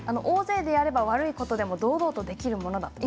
大勢でやれば悪いことでも堂々とできるものが。